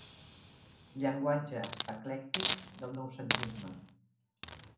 Llenguatge eclèctic del noucentisme.